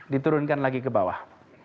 diturunkan lagi ke bawah